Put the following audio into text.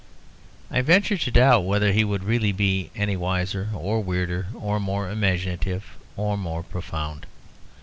I venture to doubt whether he would really be any wiser or weirder or more imaginative or more profound.